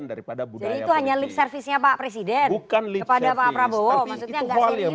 untuk bisa menentukan siapa menjadi calon presiden akan datang